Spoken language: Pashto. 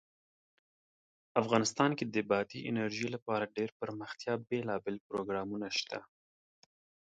افغانستان کې د بادي انرژي لپاره دپرمختیا بېلابېل پروګرامونه شته.